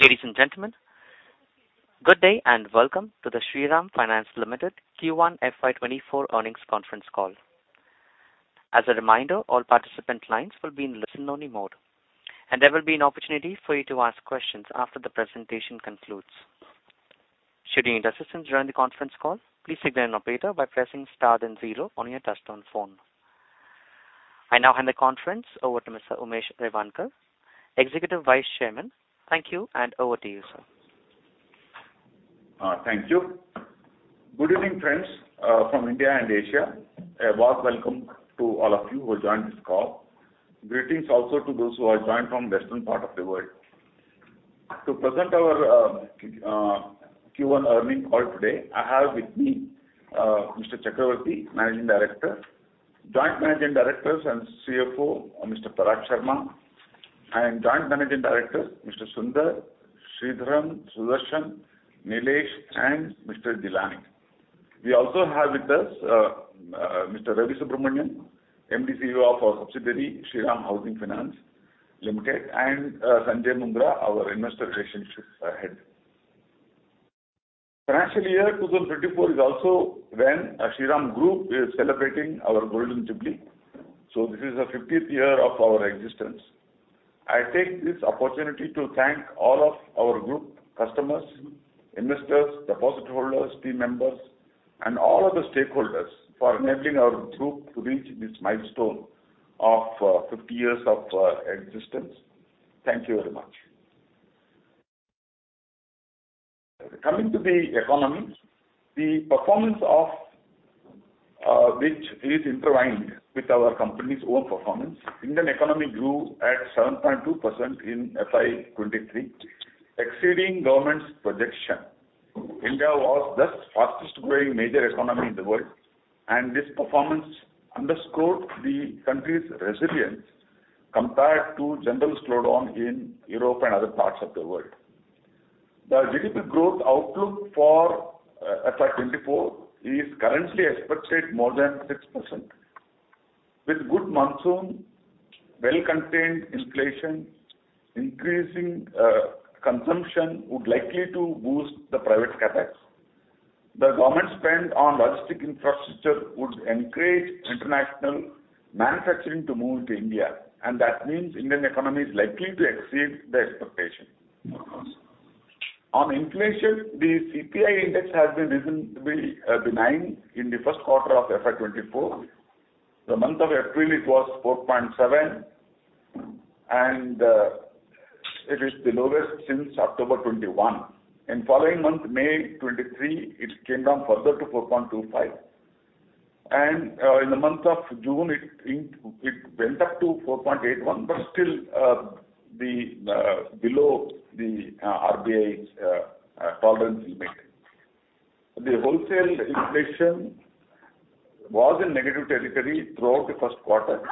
Ladies and gentlemen, good day. Welcome to the Shriram Finance Limited Q1 FY 2024 earnings conference call. As a reminder, all participant lines will be in listen-only mode, and there will be an opportunity for you to ask questions after the presentation concludes. Should you need assistance during the conference call, please signal an operator by pressing star then zero on your touchtone phone. I now hand the conference over to Mr. Umesh Revankar, Executive Vice Chairman. Thank you. Over to you, sir. Thank you. Good evening, friends, from India and Asia. A warm welcome to all of you who joined this call. Greetings also to those who have joined from the western part of the world. To present our Q1 earnings call today, I have with me Mr. Chakravarti, Managing Director, Joint Managing Directors, and CFO, Mr. Parag Sharma, and Joint Managing Directors, Mr. Sunder, Sridharan, Sudarshan, Nilesh, and Mr. Jilani. We also have with us Mr. Ravi Subramanian, MD, CEO of our subsidiary, Shriram Housing Finance Limited, and Sanjay Mundra, our Investor Relationships Head. Financial year 2024 is also when Shriram Group is celebrating our golden jubilee, so this is the 50th year of our existence. I take this opportunity to thank all of our group customers, investors, deposit holders, team members, and all other stakeholders for enabling our group to reach this milestone of 50 years of existence. Thank you very much. Coming to the economy, the performance of which is intertwined with our company's own performance, Indian economy grew at 7.2% in FY 2023, exceeding government's projection. India was the fastest growing major economy in the world, and this performance underscored the country's resilience compared to general slowdown in Europe and other parts of the world. The GDP growth outlook for FY 2024 is currently expected more than 6%. With good monsoon, well-contained inflation, increasing consumption would likely to boost the private CapEx. The government spend on logistic infrastructure would encourage international manufacturing to move to India, that means Indian economy is likely to exceed the expectation. On inflation, the CPI index has been reasonably benign in the first quarter of FY 2024. The month of April, it was 4.7, it is the lowest since October 2021, following month, May 2023, it came down further to 4.25. In the month of June, it went up to 4.81, still below the RBI's tolerance limit. The wholesale inflation was in negative territory throughout the first quarter.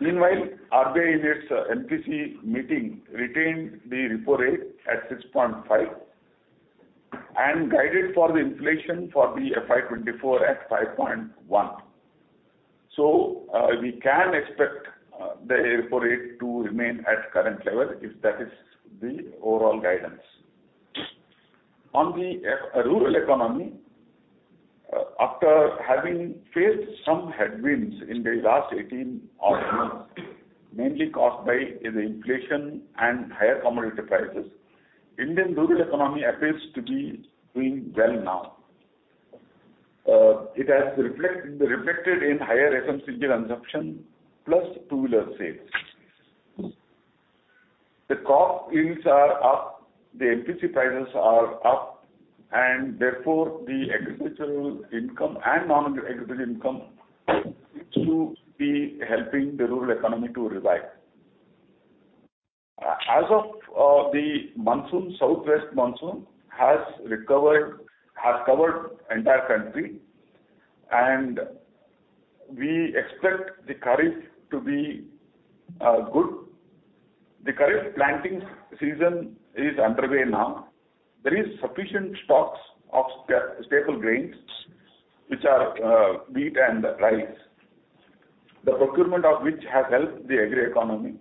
Meanwhile, RBI, in its MPC meeting, retained the repo rate at 6.5 and guided for the inflation for the FY 2024 at 5.1. We can expect the repo rate to remain at current level, if that is the overall guidance. On the rural economy, after having faced some headwinds in the last 18 odd months, mainly caused by the inflation and higher commodity prices, Indian rural economy appears to be doing well now. It has reflected in higher FMCG consumption, plus two-wheeler sales. The crop yields are up, the MPC prices are up, and therefore, the agricultural income and non-agricultural income seems to be helping the rural economy to revive. As of, the monsoon, southwest monsoon has recovered, has covered entire country, and we expect the kharif to be good. The kharif planting season is underway now. There is sufficient stocks of staple grains, which are wheat and rice, the procurement of which has helped the agri economy.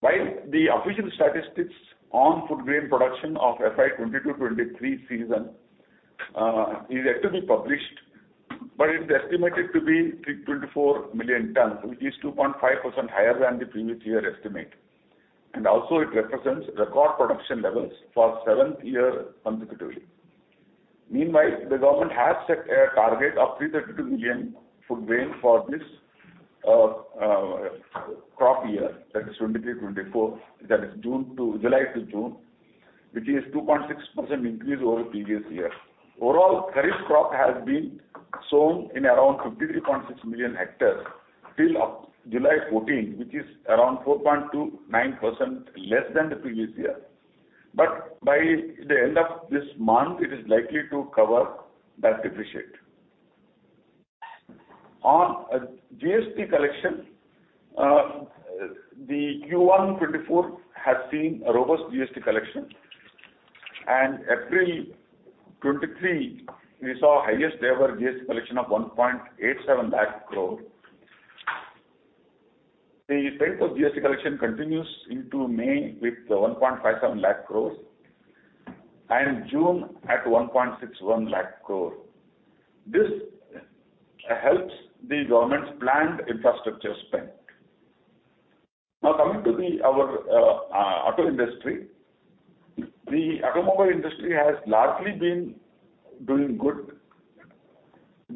While the official statistics on food grain production of FY 2022-2023 season, it's estimated to be 24 million tonnes, which is 2.5% higher than the previous year estimate. Also it represents record production levels for seventh year consecutively. Meanwhile, the government has set a target of 332 million food grain for this crop year, that is 2023-2024, that is July to June, which is 2.6% increase over previous year. Overall, Kharif crop has been sown in around 53.6 million hectares till of July 14, which is around 4.29% less than the previous year. By the end of this month, it is likely to cover that deficit. On GST collection, the Q1 2024 has seen a robust GST collection, and April 2023, we saw highest-ever GST collection of 1.87 lakh crore. The pace of GST collection continues into May with 1.57 lakh crore and June at 1.61 lakh crore. This helps the government's planned infrastructure spend. Now, coming to our auto industry. The automobile industry has largely been doing good,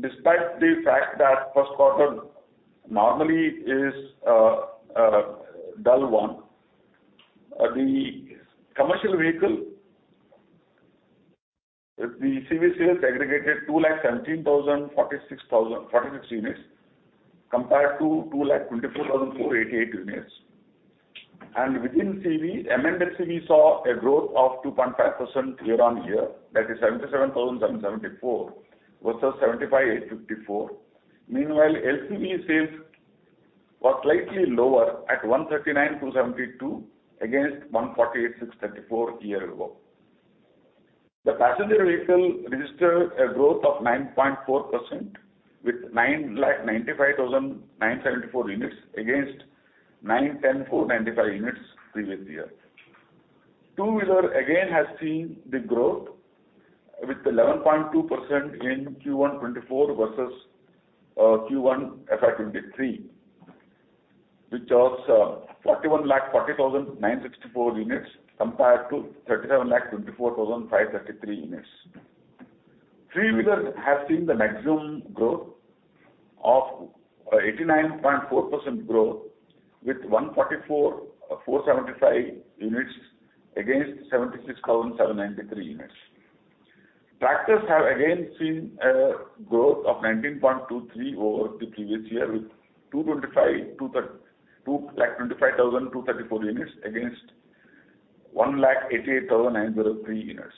despite the fact that first quarter normally is a dull one. The commercial vehicle, the CV sales aggregated 217,046 units, compared to 224,488 units. Within CV, M&HCV, we saw a growth of 2.5% year-on-year. That is 77,774 versus 75,854. Meanwhile, LCV sales were slightly lower at 139,272, against 148,634 year ago. The passenger vehicle registered a growth of 9.4%, with 995,974 units, against 910,495 units previous year. Two-wheeler again has seen the growth with 11.2% in Q1 2024 versus Q1 FY 2023, which was 4,140,964 units compared to 3,724,533 units. Three-wheeler has seen the maximum growth of 89.4% growth, with 144,475 units against 76,793 units. Tractors have again seen a growth of 19.23 over the previous year, with 225,234 units against 188,903 units.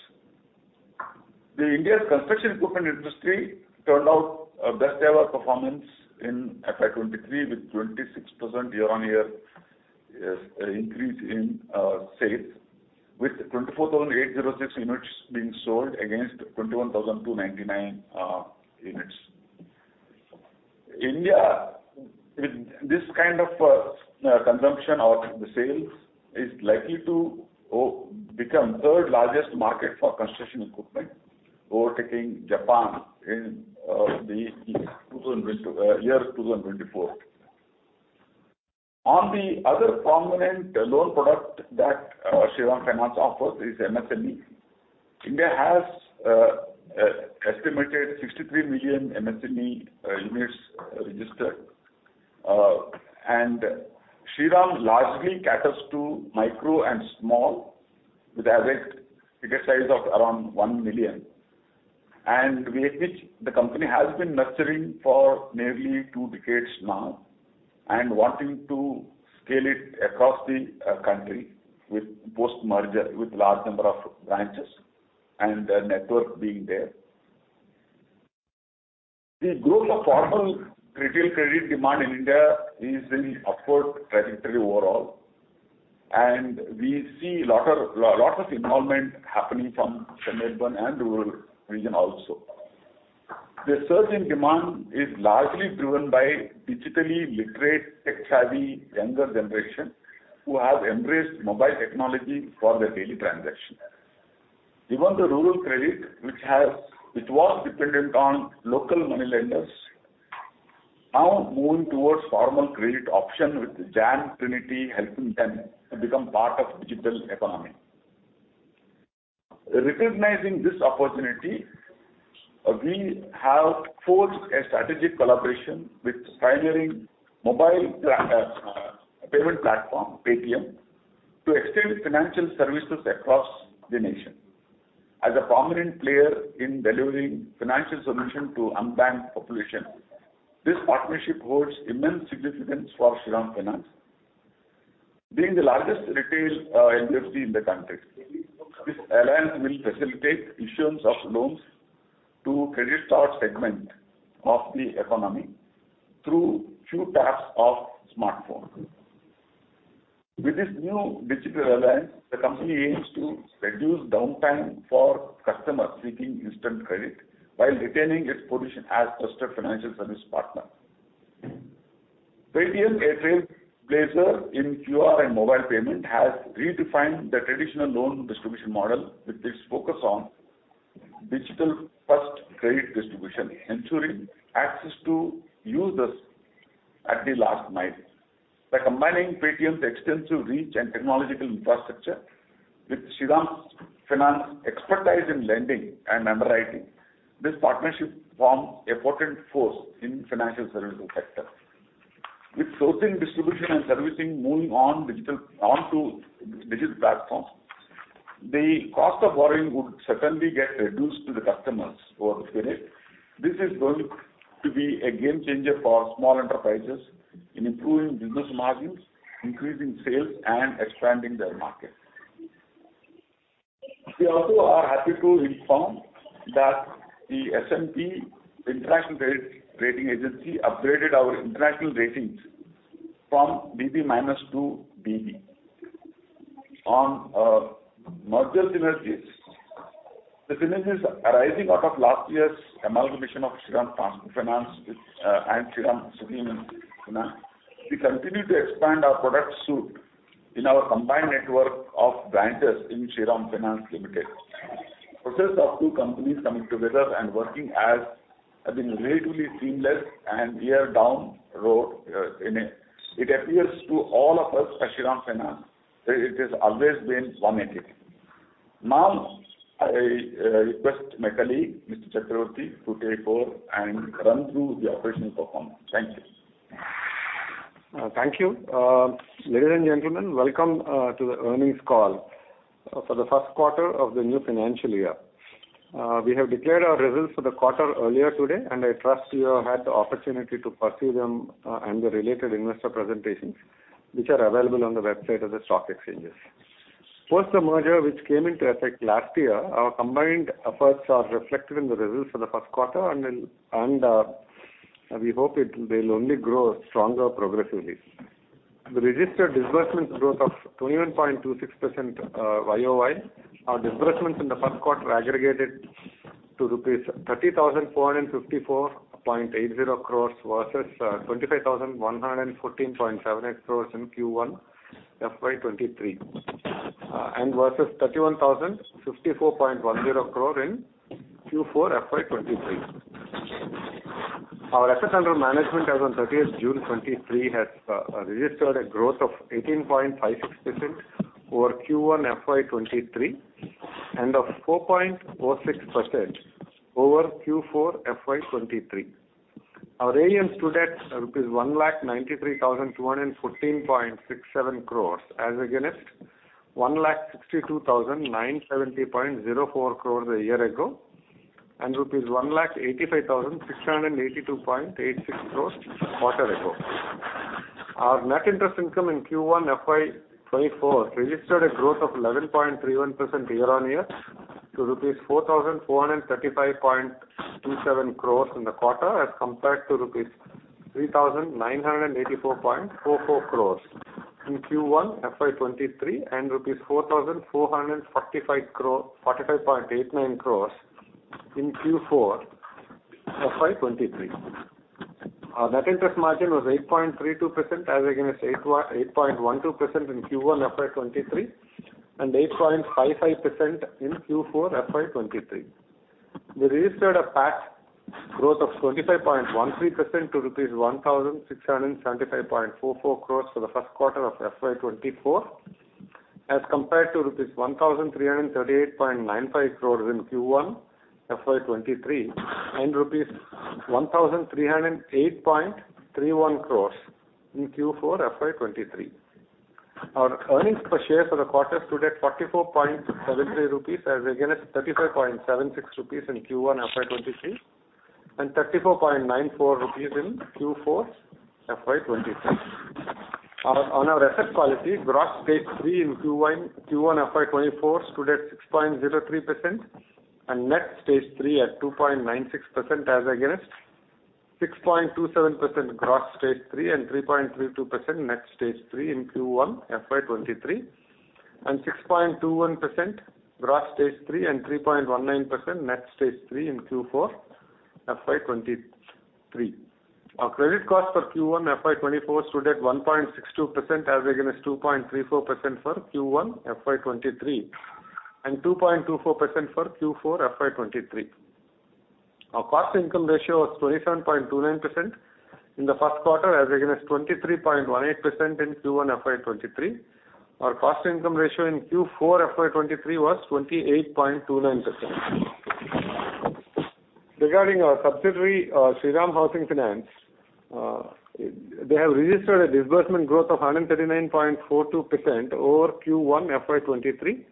The India's construction equipment industry turned out a best ever performance in FY 2023, with 26% year-on-year increase in sales, with 24,806 units being sold against 21,299 units. India, with this kind of consumption or the sales, is likely to become third largest market for construction equipment, overtaking Japan in 2024. On the other prominent loan product that Shriram Finance offers is MSME. India has estimated 63 million MSME units registered, and Shriram largely caters to micro and small, with average ticket size of around 1 million. With which the company has been nurturing for nearly two decades now, and wanting to scale it across the country with post-merger, with large number of branches and the network being there. The growth of formal retail credit demand in India is in upward trajectory overall, and we see lot of involvement happening from suburban and rural region also. The surge in demand is largely driven by digitally literate, tech-savvy, younger generation, who have embraced mobile technology for their daily transaction. Even the rural credit, which was dependent on local money lenders, now moving towards formal credit option, with JAM Trinity helping them to become part of digital economy. Recognizing this opportunity, we have forged a strategic collaboration with pioneering mobile payment platform, Paytm, to extend financial services across the nation. As a prominent player in delivering financial solution to unbanked population, this partnership holds immense significance for Shriram Finance. Being the largest retail NBFC in the country, this alliance will facilitate issuance of loans to credit-starved segment of the economy through few taps of smartphone. With this new digital alliance, the company aims to reduce downtime for customers seeking instant credit while retaining its position as trusted financial service partner. Paytm, a trailblazer in QR and mobile payment, has redefined the traditional loan distribution model with its focus on digital-first credit distribution, ensuring access to users at the last mile. By combining Paytm's extensive reach and technological infrastructure with Shriram Finance expertise in lending and underwriting, this partnership forms a potent force in financial services sector. With sourcing, distribution and servicing moving onto digital platform, the cost of borrowing would certainly get reduced to the customers over the period. This is going to be a game-changer for small enterprises in improving business margins, increasing sales and expanding their market. We also are happy to inform that the S&P International Rate Rating Agency upgraded our international ratings from BB- to BB. On merger synergies, the synergies arising out of last year's amalgamation of Shriram Transport Finance with Shriram City Union Finance, we continue to expand our product suite in our combined network of branches in Shriram Finance Limited. Process of two companies coming together and working has been relatively seamless, and year down road, it appears to all of us at Shriram Finance that it has always been one entity. I request my colleague, Mr. Chakravarti, to take over and run through the operational performance. Thank you. Thank you. Ladies and gentlemen, welcome to the earnings call for the first quarter of the new financial year. We have declared our results for the quarter earlier today, and I trust you have had the opportunity to pursue them and the related investor presentations, which are available on the website of the stock exchanges. Post the merger, which came into effect last year, our combined efforts are reflected in the results for the first quarter, and we hope it will only grow stronger progressively. The registered disbursements growth of 21.26% YoY, our disbursements in the first quarter aggregated to rupees 30,454.80 crores versus rupees 25,114.78 crores in Q1 FY 2023, and versus rupees 31,054.10 crore in Q4 FY 2023. Our assets under management as on June 30th 2023 has registered a growth of 18.56% over Q1 FY 2023 and of 4.46% over Q4 FY 2023. Our AUM stood at ₹1,93,214.67 crores, as against ₹1,62,970.04 crores a year ago, and ₹1,85,682.86 crores quarter ago. Our net interest income in Q1 FY 2024 registered a growth of 11.31% year-on-year to rupees 4,435.27 crores in the quarter, as compared to rupees 3,984.44 crores in Q1 FY 2023, and rupees 4,445.89 crores in Q4 FY 2023. Our net interest margin was 8.32%, as against 8.12% in Q1 FY 2023, and 8.55% in Q4 FY 2023. We registered a PAT growth of 25.13% to rupees 1,675.44 crores for the first quarter of FY 2024, as compared to rupees 1,338.95 crores in Q1 FY 2023, and rupees 1,308.31 crores in Q4 FY 2023. Our earnings per share for the quarter stood at 44.73 rupees, as against 35.76 rupees in Q1 FY 2023, and 34.94 rupees in Q4 FY 2023. On our asset quality, gross stage three in Q1 FY 2024 stood at 6.03%, and net stage three at 2.96%, as against 6.27% gross stage three and 3.32% net stage three in Q1 FY 2023, and 6.21% gross stage three and 3.19% net stage three in Q4 FY 2023. Our credit cost for Q1 FY 2024 stood at 1.62%, as against 2.34% for Q1 FY 2023, and 2.24% for Q4 FY 2023. Our cost income ratio was 27.29% in the first quarter, as against 23.18% in Q1 FY 2023. Our cost income ratio in Q4 FY 2023 was 28.29%. Regarding our subsidiary, Shriram Housing Finance, they have registered a disbursement growth of 139.42% over Q1 FY 2023.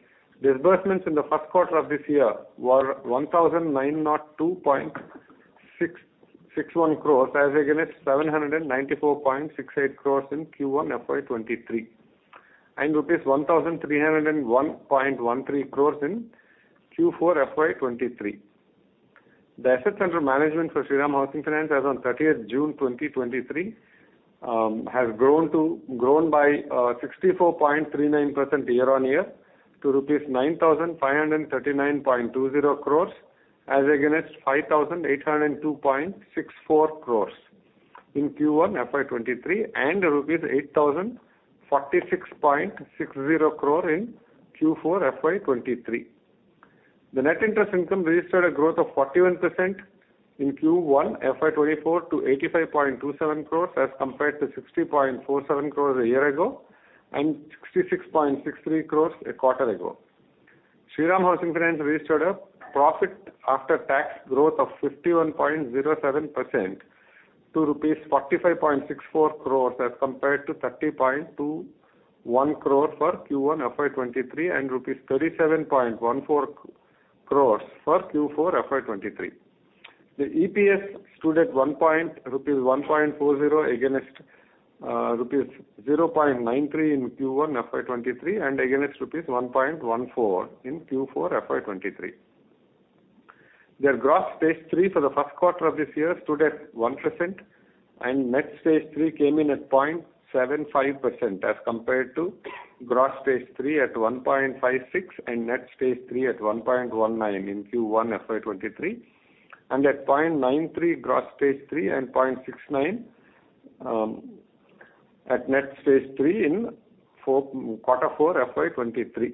Disbursement in the first quarter of this year were 1,902.661 crores, as against 794.68 crores in Q1 FY 2023, and rupees 1,301.13 crores in Q4 FY 2023. The AUM for Shriram Housing Finance as on thirtieth June 2023, has grown by 64.39% year-on-year to rupees 9,539.20 crores, as against 5,802.64 crores in Q1 FY 2023, and rupees 8,046.60 crores in Q4 FY 2023. The net interest income registered a growth of 41% in Q1 FY 2024 to ₹85.27 crores, as compared to ₹60.47 crores a year ago, ₹66.63 crores a quarter ago. Shriram Housing Finance registered a PAT growth of 51.07% to ₹45.64 crores as compared to ₹30.21 crores for Q1 FY 2023, ₹37.14 crores for Q4 FY 2023. The EPS stood at ₹1.40, against ₹0.93 in Q1 FY 2023, and against ₹1.14 in Q4 FY 2023. Their gross Stage 3 for the first quarter of this year stood at 1%, and net Stage 3 came in at 0.75%, as compared to gross Stage 3 at 1.56%, and net Stage 3 at 1.19% in Q1 FY 2023, and at 0.93% gross Stage 3, and 0.69% at net Stage 3 in Q4 FY 2023.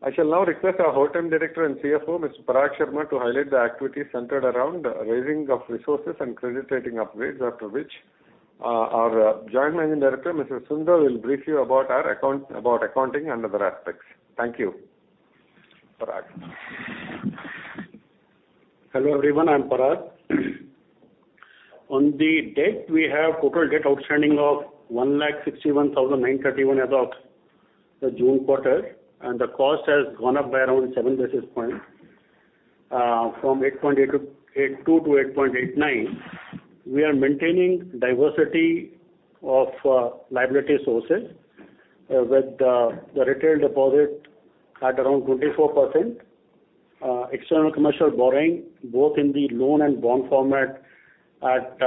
I shall now request our Whole-time Director and CFO, Mr. Parag Sharma, to highlight the activities centered around raising of resources and credit rating upgrades, after which, our Joint Managing Director, Mr. Sundar, will brief you about our account, accounting, and other aspects. Thank you. Parag? Hello, everyone, I'm Parag. On the debt, we have total debt outstanding of 1,61,931 as of the June quarter, and the cost has gone up by around 7 basis points from 8.82% to 8.89%. We are maintaining diversity of liability sources with the retail deposit at around 24%, external commercial borrowing, both in the loan and bond format at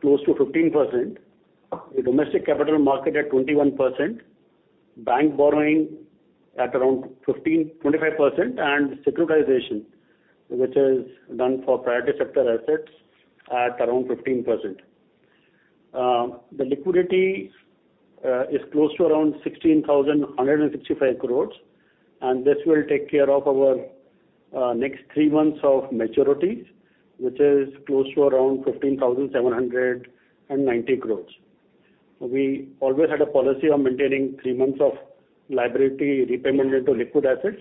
close to 15%, the domestic capital market at 21%, bank borrowing at around 15%-25%, and securitization, which is done for priority sector assets, at around 15%. The liquidity is close to around 16,165 crores, and this will take care of our next three months of maturities, which is close to around 15,790 crores. We always had a policy of maintaining three months of liability repayment into liquid assets,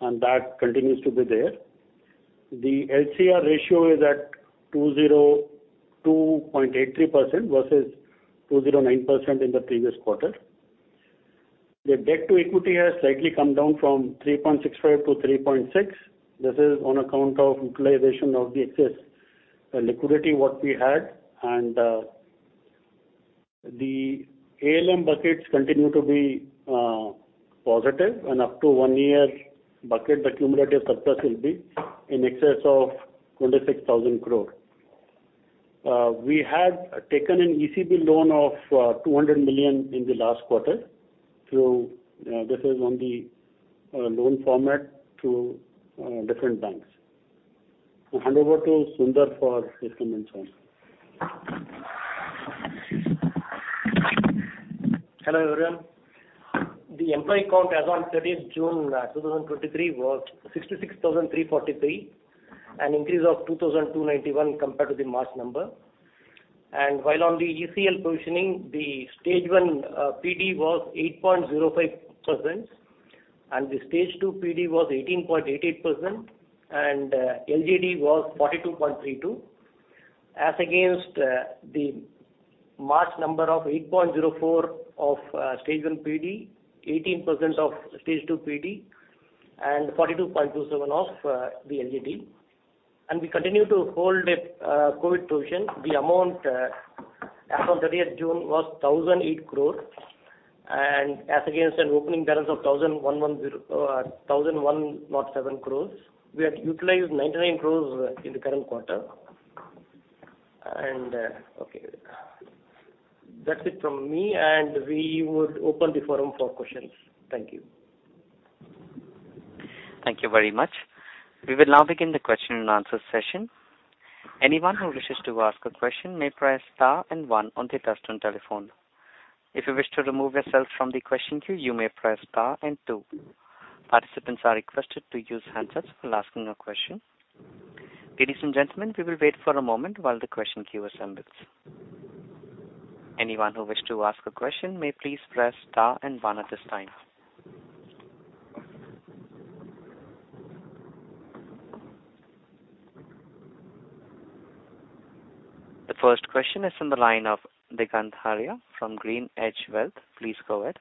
and that continues to be there. The LCR ratio is at 202.83% versus 209% in the previous quarter. The debt to equity has slightly come down from 3.65 to 3.6. This is on account of utilization of the excess liquidity what we had. The ALM buckets continue to be positive, and up to one year bucket, the cumulative surplus will be in excess of ₹26,000 crore. We had taken an ECB loan of $200 million in the last quarter, through this is on the loan format through different banks. I hand over to Sunder for his comments now. Hello, everyone. The employee count as on June 30th, 2023 was 66,343, an increase of 2,291 compared to the March number. On the ECL provisioning, the Stage 1 PD was 8.05%, and the Stage 2 PD was 18.88%, and LGD was 42.32, as against the March number of 8.04 of Stage 1 PD, 18% of Stage 2 PD, and 42.27 of the LGD. We continue to hold a COVID provision. The amount as on June 30th was 1,008 crore, and as against an opening balance of 1,110, 1,107 crores. We had utilized 99 crores in the current quarter. That's it from me, and we would open the forum for questions. Thank you. Thank you very much. We will now begin the question-and-answer session. Anyone who wishes to ask a question may press star and one on the touchtone telephone. If you wish to remove yourself from the question queue, you may press star and two. Participants are requested to use handsets while asking a question. Ladies and gentlemen, we will wait for a moment while the question queue assembles. Anyone who wish to ask a question may please press star and one at this time. The first question is from the line of Digant Haria from GreenEdge Wealth. Please go ahead.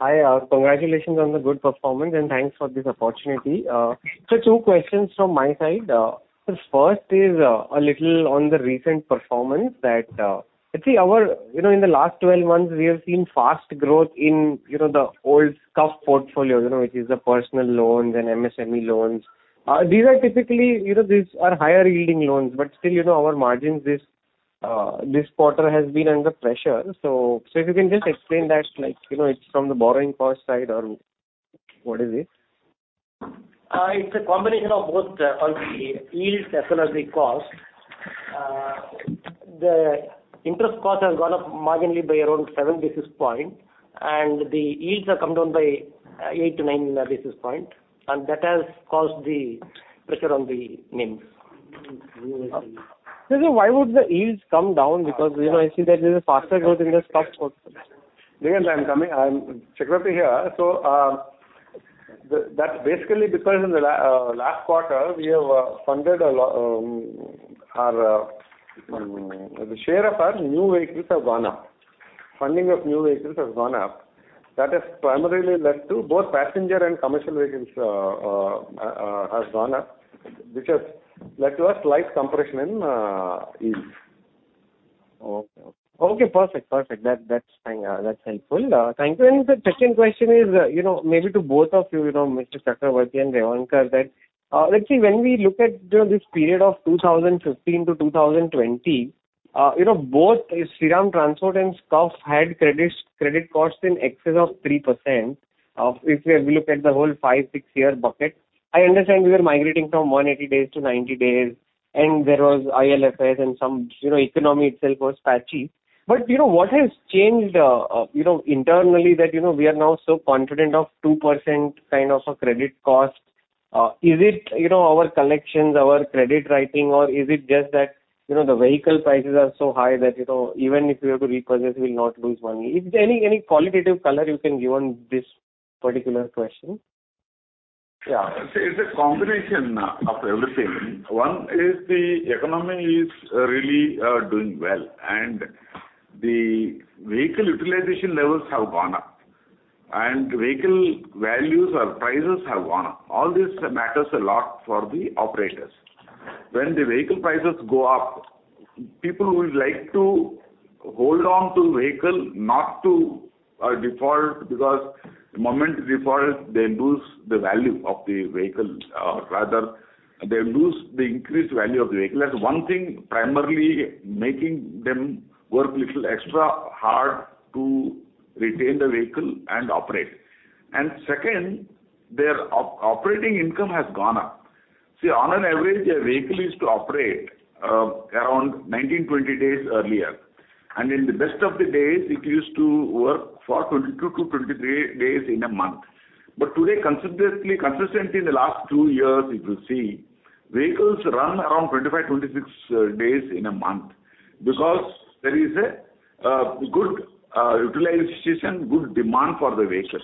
Hi, congratulations on the good performance, and thanks for this opportunity. Two questions from my side. The first is a little on the recent performance that, let's see, our, you know, in the last 12 months, we have seen fast growth in, you know, the old scuffed portfolio, you know, which is the personal loans and MSME loans. These are typically, you know, these are higher-yielding loans, but still, you know, our margins this quarter has been under pressure. If you can just explain that, like, you know, it's from the borrowing cost side or what is it? It's a combination of both, on the yield as well as the cost. The interest cost has gone up marginally by around 7 basis point, and the yields have come down by 8 to 9 basis point, and that has caused the pressure on the NIM. Why would the yields come down? Because, you know, I see that there's a faster growth in the unsecured portfolio. Digant, I'm coming. I'm Chakravarti here. That's basically because in the last quarter, we have funded our. The share of our new vehicles have gone up. Funding of new vehicles has gone up. That has primarily led to both passenger and commercial vehicles has gone up, which has led to a slight compression in yield. Okay, okay. Okay, perfect, perfect. That, that's helpful. Thank you. The second question is, you know, maybe to both of you, you know, Mr. Chakravarti and Revankar, that, let's see, when we look at, you know, this period of 2015 to 2020, you know, both Shriram Transport and SCUF (Shriram City Union Finance) had credits, credit costs in excess of 3%. If we look at the whole five, six-year bucket, I understand we are migrating from 180-day to 90-day, and there was IL&FS crisis, you know, economy itself was patchy. But, you know, what has changed, you know, internally that, you know, we are now so confident of 2% kind of a credit cost? Is it, you know, our collections, our credit writing, or is it just that, you know, the vehicle prices are so high that, you know, even if we have to repossess, we will not lose money? If there any qualitative color you can give on this particular question. Yeah. It's a combination of everything. One is the economy is really doing well, the vehicle utilization levels have gone up, and vehicle values or prices have gone up. All this matters a lot for the operators. When the vehicle prices go up, people will like to hold on to vehicle, not to default, because the moment they default, they lose the value of the vehicle, or rather, they lose the increased value of the vehicle. That's one thing primarily making them work little extra hard to retain the vehicle and operate. Second, their operating income has gone up. See, on an average, a vehicle used to operate around 19, 20 days earlier, in the best of the days, it used to work for 22-23 days in a month. Today, considerably, consistently in the last two years, you will see vehicles run around 25, 26 days in a month because there is a good utilization, good demand for the vehicles.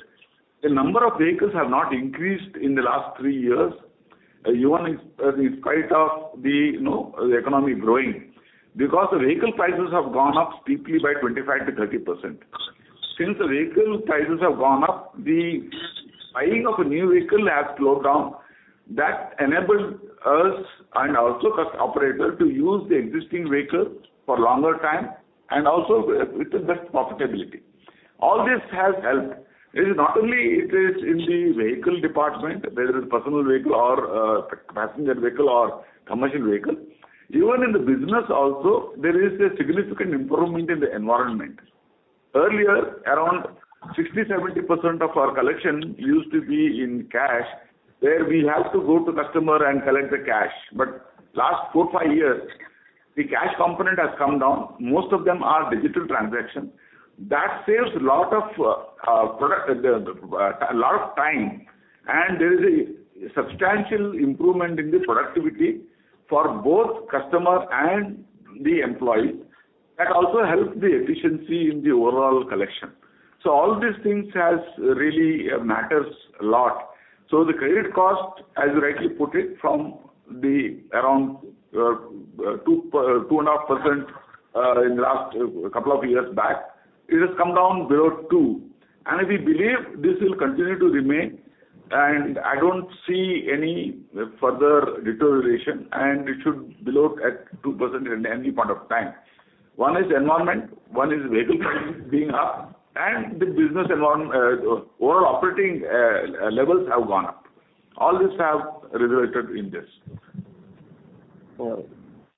The number of vehicles have not increased in the last three years, even in spite of the, you know, the economy growing, because the vehicle prices have gone up steeply by 25%-30%. Since the vehicle prices have gone up, the buying of a new vehicle has slowed down. That enabled us and also operator to use the existing vehicle for longer time and also with the best profitability. All this has helped. It is not only it is in the vehicle department, whether it's personal vehicle or passenger vehicle or commercial vehicle. Even in the business also, there is a significant improvement in the environment. Earlier, around 60%, 70% of our collection used to be in cash, where we have to go to customer and collect the cash. Last four, five years, the cash component has come down. Most of them are digital transaction. That saves a lot of time, and there is a substantial improvement in the productivity for both customer and the employee. That also helps the efficiency in the overall collection. All these things has really matters a lot. The credit cost, as you rightly put it, from the around 2%, 2.5% in the last couple of years back, it has come down below two. And we believe this will continue to remain, and I don't see any further deterioration, and it should below at 2% at any point of time. One is environment, one is vehicle prices being up, and the business overall operating levels have gone up. All this have resulted in this. Oh,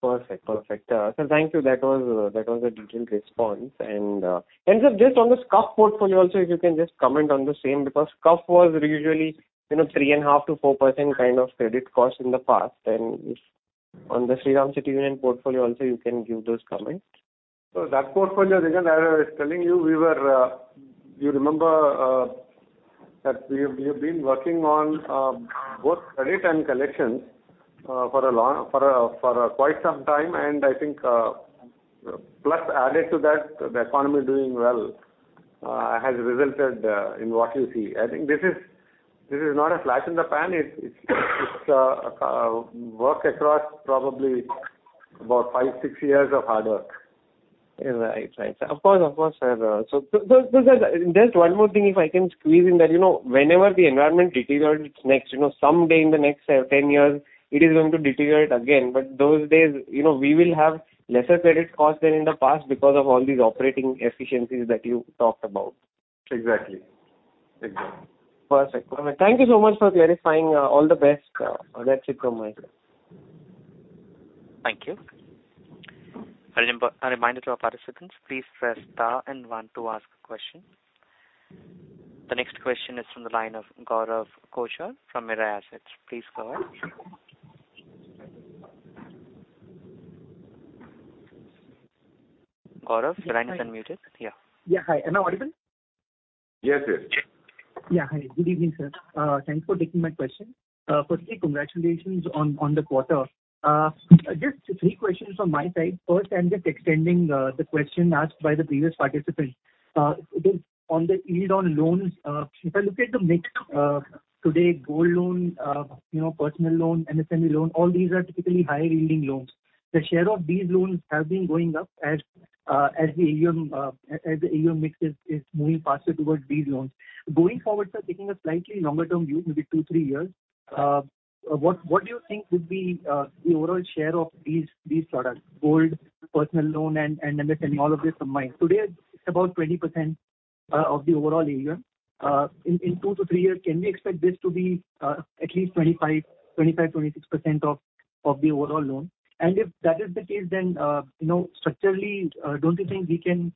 perfect. Perfect. Thank you. That was, that was a detailed response. Just on the SCUF portfolio also, if you can just comment on the same, because SCUF was usually, you know, 3.5%-4% kind of credit costs in the past. If on the Shriram City Union Finance portfolio, also, you can give those comments. That portfolio, again, I was telling you, we were. You remember that we've been working on both credit and collections for a long, for a quite some time, and I think, plus, added to that, the economy doing well, has resulted in what you see. I think this is not a flash in the pan. It's work across probably about five, six years of hard work. Right. Of course, of course, sir. Just one more thing, if I can squeeze in that, you know, whenever the environment deteriorates next, you know, someday in the next seven, 10 years, it is going to deteriorate again. Those days, you know, we will have lesser credit costs than in the past because of all these operating efficiencies that you talked about. Exactly. Exactly. Perfect. Thank you so much for clarifying. All the best. That's it from my side. Thank you. A reminder to our participants, please press star and one to ask a question. The next question is from the line of Gaurav Kothari from Mirae Asset. Please go ahead. Gaurav, your line is unmuted. Yeah. Yeah. Hi, Am I audible? Yes, yes. Yeah. Hi, good evening, sir. Thanks for taking my question. Firstly, congratulations on, on the quarter. Just three questions from my side. First, I'm just extending the question asked by the previous participant. It is on the yield on loans. If I look at the mix, today, gold loan, you know, personal loan, MSME loan, all these are typically high-yielding loans. The share of these loans have been going up as the AUM mix is moving faster towards these loans. Going forward, sir, taking a slightly longer term view, maybe two, three years, what do you think would be the overall share of these products, gold, personal loan, and MSME, all of these combined? Today, it's about 20% of the overall AUM. In two to three years, can we expect this to be at least 25, 26% of the overall loan? If that is the case, then, you know, structurally, don't you think we can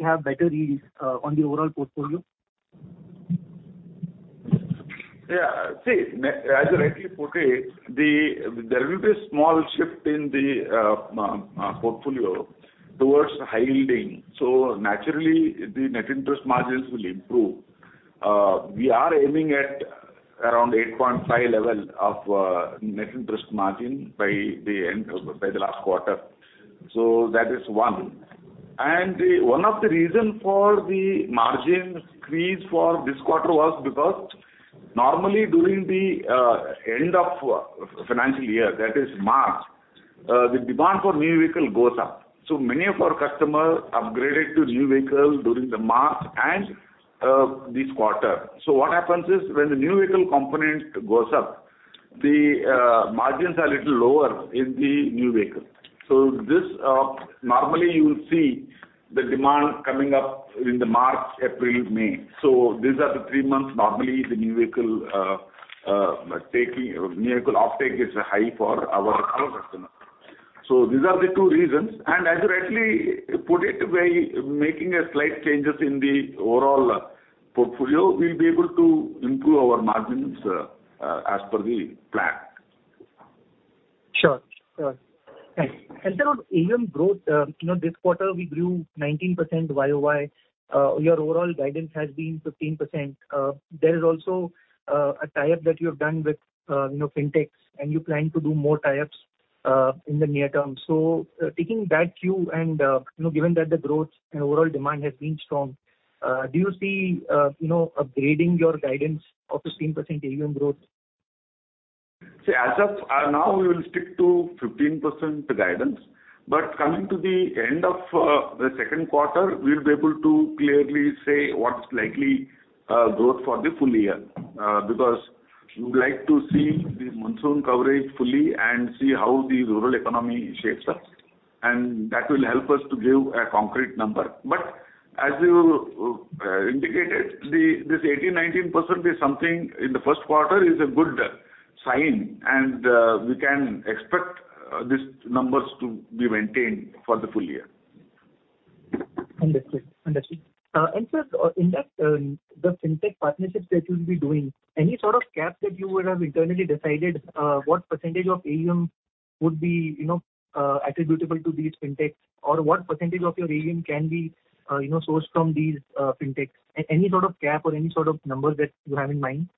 have better yields on the overall portfolio? Yeah. See, as you rightly portray, there will be a small shift in the portfolio towards high yielding, naturally, the net interest margins will improve. We are aiming at around 8.5 level of net interest margin by the end of the last quarter. That is one. The one of the reason for the margin squeeze for this quarter was because normally during the end of financial year, that is March, the demand for new vehicle goes up. Many of our customers upgraded to new vehicles during the March and this quarter. What happens is, when the new vehicle component goes up, the margins are a little lower in the new vehicle. This normally, you will see the demand coming up in the March, April, May. These are the three months, normally, the new vehicle, new vehicle uptake is high for our customer. These are the two reasons, and as you rightly put it, by making a slight changes in the overall portfolio, we'll be able to improve our margins, as per the plan. Sure, sure. Thanks. On AUM growth, you know, this quarter, we grew 19% YoY. Year overall guidance has been 15%. There is also, a tie-up that you have done with, you know, fintechs, and you plan to do more tie-ups, in the near term. Taking that cue and, you know, given that the growth and overall demand has been strong, do you see, you know, upgrading your guidance of 15% AUM growth? See, as of now, we will stick to 15% guidance, but coming to the end of the second quarter, we'll be able to clearly say what's likely growth for the full year. Because we would like to see the monsoon coverage fully and see how the rural economy shapes up, and that will help us to give a concrete number. As you indicated, this 18%, 19% is something in the first quarter is a good sign, and we can expect these numbers to be maintained for the full year. Understood. Understood. Sir, in that, the fintech partnerships that you'll be doing, any sort of cap that you would have internally decided, what % of AUM would be, you know, attributable to these fintech? What % of your AUM can be, you know, sourced from these fintech? Any sort of cap or any sort of number that you have in mind?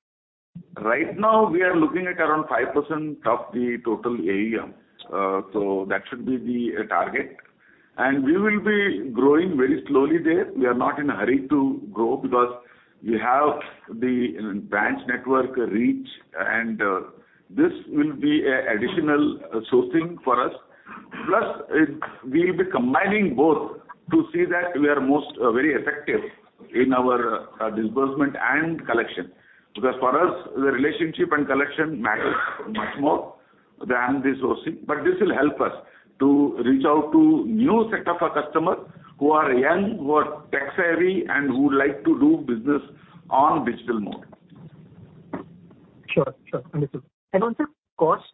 Right now, we are looking at around 5% of the total AUM, so that should be the target. We will be growing very slowly there. We are not in a hurry to grow because we have the branch network reach, and this will be a additional sourcing for us. Plus, we'll be combining both to see that we are most very effective in our disbursement and collection. Because for us, the relationship and collection matters much more than the sourcing. This will help us to reach out to new set of our customers who are young, who are tech-savvy, and who like to do business on digital mode. Sure, sure. Understood. On the cost,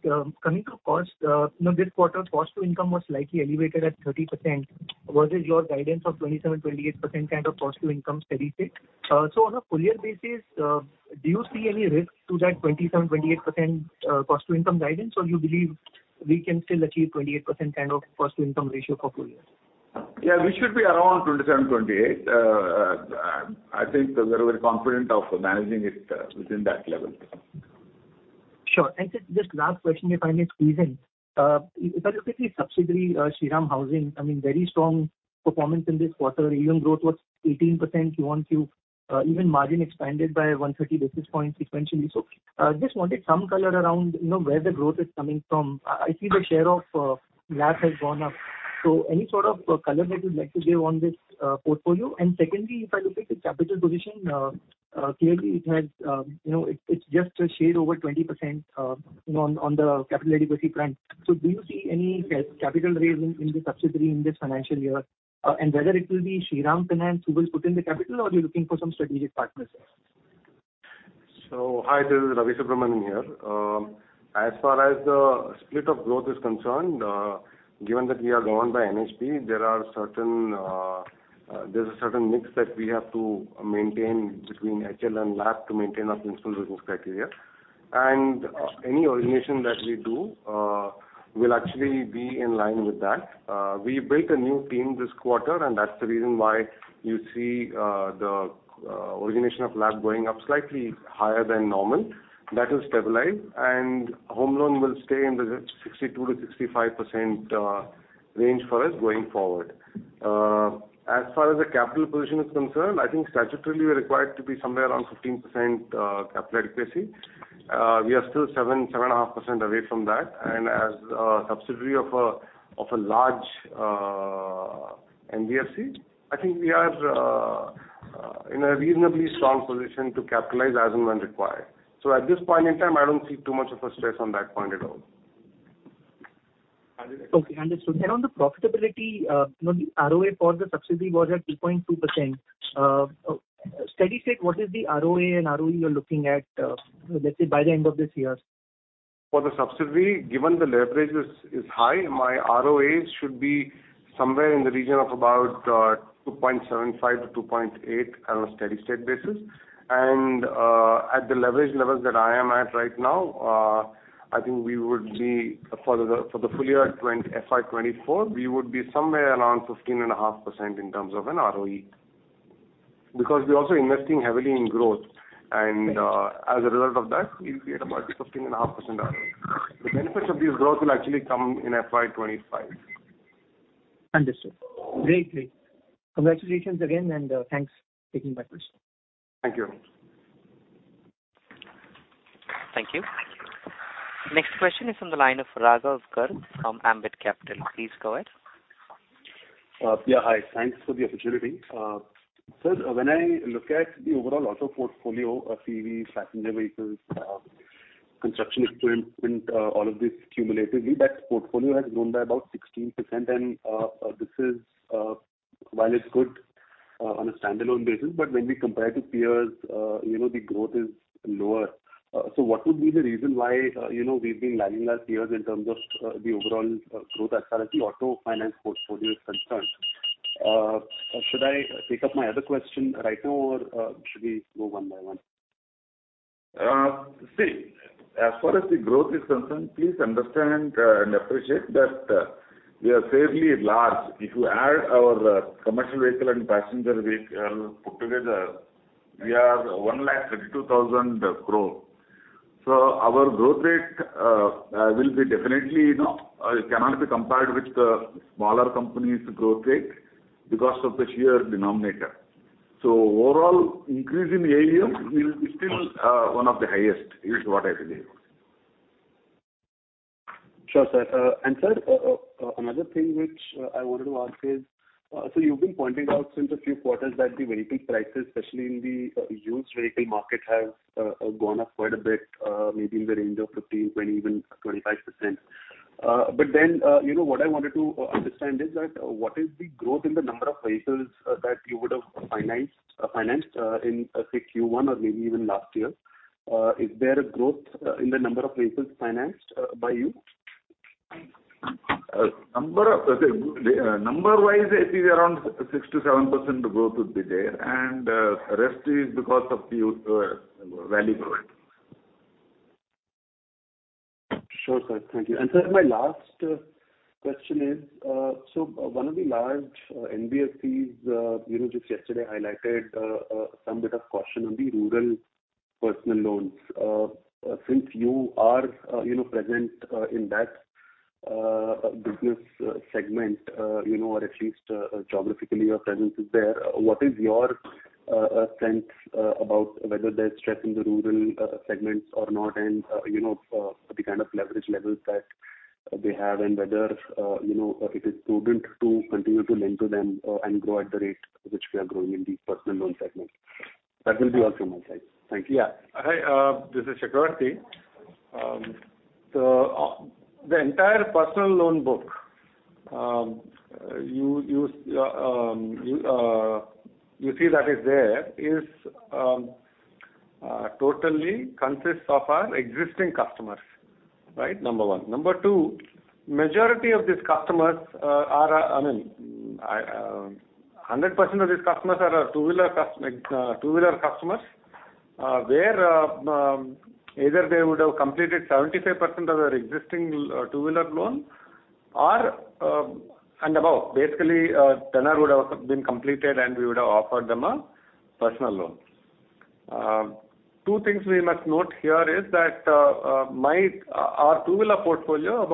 coming to cost, you know, this quarter, cost to income was slightly elevated at 30% versus your guidance of 27%-28% kind of cost to income steady state. On a full year basis, do you see any risk to that 27%-28% cost to income guidance, or you believe we can still achieve 28% kind of cost to income ratio for full year? Yeah, we should be around 27%, 28%. I think we are very confident of managing it within that level. Sure. Just last question, if I may squeeze in. If I look at the subsidiary, Shriram Housing, I mean, very strong performance in this quarter. AUM growth was 18% QoQ, even margin expanded by 130 basis points sequentially. Just wanted some color around, you know, where the growth is coming from. I see the share of LAP has gone up. Any sort of color that you'd like to give on this portfolio? Secondly, if I look at the capital position, clearly it has, you know, it's just a shade over 20% on the capital adequacy front. Do you see any capital raise in the subsidiary in this financial year? Whether it will be Shriram Finance who will put in the capital, or you're looking for some strategic partners there? Hi, this is Ravi Subramanian here. As far as the split of growth is concerned, given that we are governed by NHB, there are certain, there's a certain mix that we have to maintain between HL and LAP to maintain our principal risk criteria. Any origination that we do will actually be in line with that. We built a new team this quarter, and that's the reason why you see the origination of LAP going up slightly higher than normal. That will stabilize, and home loan will stay in the 62%-65% range for us going forward. As far as the capital position is concerned, I think statutorily, we're required to be somewhere around 15% capital adequacy. We are still 7.5% away from that. As a subsidiary of a large NBFC, I think we are in a reasonably strong position to capitalize as and when required. At this point in time, I don't see too much of a stress on that point at all. Okay, understood. On the profitability, you know, the ROA for the subsidy was at 2.2%. Steady state, what is the ROA and ROE you're looking at, let's say, by the end of this year? For the subsidiary, given the leverage is high, my ROAs should be somewhere in the region of about 2.75 to 2.8 on a steady-state basis. At the leverage levels that I am at right now, I think we would be for the full year at FY 2024, we would be somewhere around 15.5% in terms of an ROE. Because we're also investing heavily in growth, as a result of that, we'll be at about 15.5% ROE. The benefits of this growth will actually come in FY 2025. Understood. Great. Great. Congratulations again, and thanks for taking my question. Thank you. Thank you. Next question is from the line of Raghav Garg from Ambit Capital. Please go ahead. Yeah, hi. Thanks for the opportunity. Sir, when I look at the overall auto portfolio of CV, passenger vehicles, construction equipment, all of this cumulatively, that portfolio has grown by about 16%. This is, while it's good on a standalone basis, but when we compare to peers, you know, the growth is lower. What would be the reason why, you know, we've been lagging last years in terms of the overall growth as far as the auto finance portfolio is concerned? Should I take up my other question right now, or should we go one by one? See, as far as the growth is concerned, please understand, and appreciate that, we are fairly large. If you add our commercial vehicle and passenger vehicle put together, we are 1,32,000 crore. Our growth rate, will be definitely, you know, it cannot be compared with the smaller companies' growth rate because of the sheer denominator. Overall increase in AUM, we will be still, one of the highest, is what I believe. Sure, sir. Sir, another thing which I wanted to ask is: You've been pointing out since a few quarters that the vehicle prices, especially in the, used vehicle market, have, gone up quite a bit, maybe in the range of 15%, 20%, even 25%. You know, what I wanted to understand is that, what is the growth in the number of vehicles that you would have financed in, say, Q1 or maybe even last year? Is there a growth in the number of vehicles financed by you? Number-wise, it is around 6%-7% growth would be there, and rest is because of the value growth. Sure, sir. Thank you. Sir, my last question is, one of the large NBFCs, you know, just yesterday highlighted some bit of caution on the rural personal loans. Since you are, you know, present, in that, business, segment, you know, or at least, geographically, your presence is there, what is your sense about whether there's stress in the rural segments or not, and, you know, the kind of leverage levels that they have, and whether, you know, if it is prudent to continue to lend to them, and grow at the rate which we are growing in the personal loan segment? That will be also my side. Thank you. Yeah. Hi, this is Chakravarti. The entire personal loan book, you see that is there, totally consists of our existing customers, right? Number one. Number two, majority of these customers are, I mean, 100% of these customers are our two-wheeler customers, where either they would have completed 75% of their existing two-wheeler loan or and above. Basically, tenor would have been completed, and we would have offered them a personal loan. Two things we must note here is that our two-wheeler portfolio,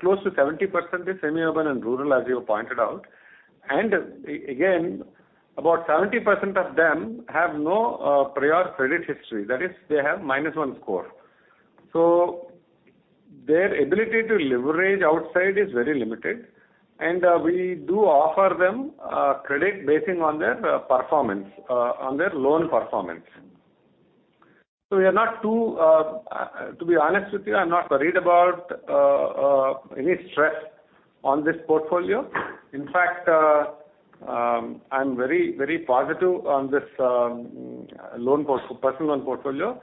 close to 70%, is semi-urban and rural, as you pointed out. Again, about 70% of them have no prior credit history, that is, they have minus one score. Their ability to leverage outside is very limited, and we do offer them credit basing on their performance on their loan performance. We are not too. To be honest with you, I'm not worried about any stress on this portfolio. In fact, I'm very, very positive on this personal loan portfolio.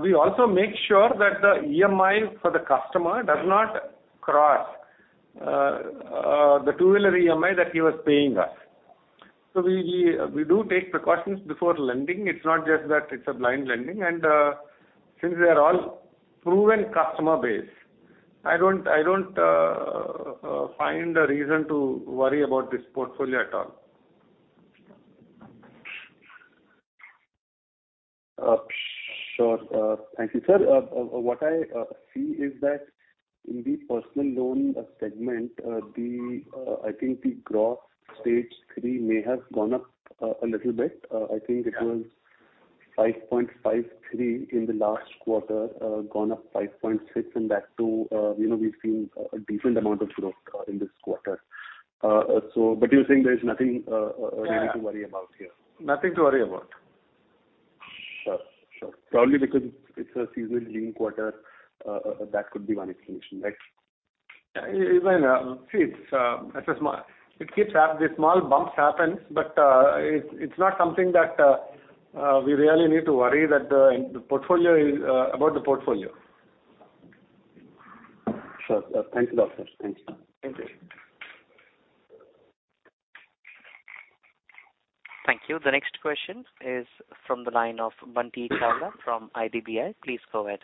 We also make sure that the EMI for the customer does not cross the two-wheeler EMI that he was paying us. We do take precautions before lending. It's not just that it's a blind lending. Since they are all proven customer base, I don't find a reason to worry about this portfolio at all. Sure. Thank you, sir. What I see is that in the personal loan segment, the, I think the gross stage three may have gone up a little bit. Yeah. -5.53 in the last quarter, gone up 5.6, and that too, you know, we've seen a decent amount of growth in this quarter. But you're saying there is nothing. Yeah really to worry about here? Nothing to worry about. Sure. Probably because it's a seasonally quarter, that could be one explanation, right? Yeah, even, see, it keeps up, the small bumps happen. It's not something that we really need to worry, that the portfolio is about the portfolio. Sure, sir. Thank you, doctor. Thank you. Thank you. Thank you. The next question is from the line of Bunty Chawla from IDBI. Please go ahead.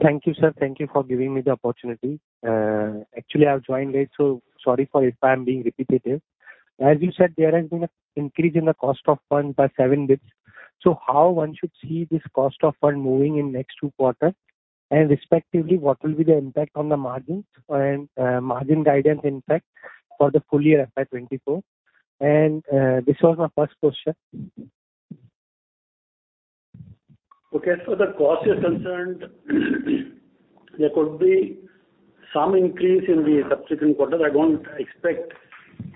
Thank you, sir. Thank you for giving me the opportunity. Actually, I've joined late, so sorry for if I'm being repetitive. As you said, there has been a increase in the cost of fund by 7 bits. How one should see this cost of fund moving in next two quarters, and respectively, what will be the impact on the margins and margin guidance impact for the full year FY 2024? This was my first question. Okay, the cost is concerned, there could be some increase in the subsequent quarters. I don't expect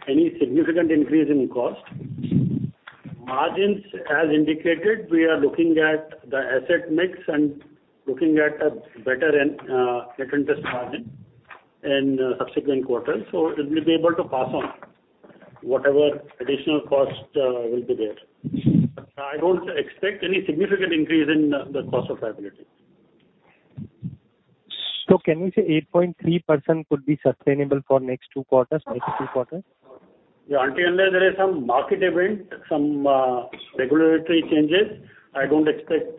any significant increase in cost. Margins, as indicated, we are looking at the asset mix and looking at a better net interest margin in subsequent quarters. We'll be able to pass on whatever additional cost will be there. I don't expect any significant increase in the cost of liability. Can we say 8.3% could be sustainable for next two quarters, next two quarters? Until and unless there is some market event, some regulatory changes, I don't expect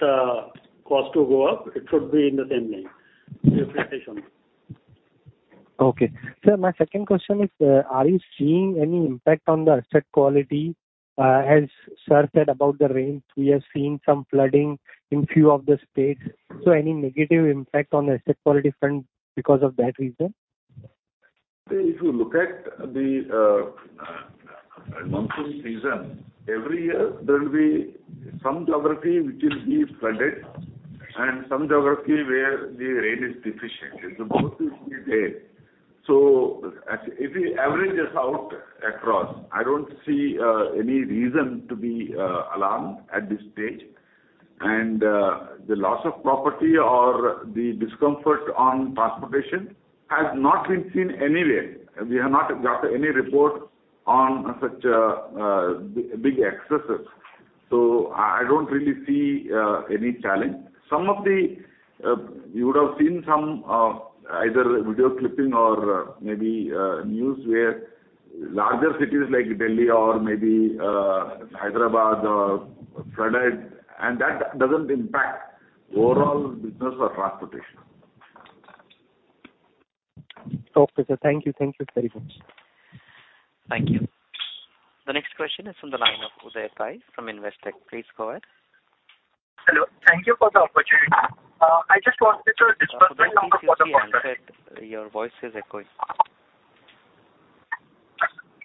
cost to go up. It should be in the same range. Expectation. Okay. Sir, my second question is, are you seeing any impact on the asset quality? As sir said about the rains, we are seeing some flooding in few of the states. Any negative impact on the asset quality front because of that reason? If you look at the monsoon season, every year there will be some geography which will be flooded and some geography where the rain is deficient. It's both is there. As if it averages out across, I don't see any reason to be alarmed at this stage. The loss of property or the discomfort on transportation has not been seen anywhere. We have not got any report on such big excesses. I don't really see any challenge. Some of the, you would have seen some either video clipping or maybe news where larger cities like Delhi or maybe Hyderabad flooded, and that doesn't impact overall business or transportation. Okay, sir. Thank you. Thank you very much. Thank you. The next question is from the line of Uday Pai from Investec. Please go ahead. Hello. Thank you for the opportunity. I just wanted to discuss. Please use the handset. Your voice is echoing.